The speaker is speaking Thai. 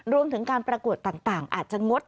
รวมถึงการประกวดต่างอาจจะงด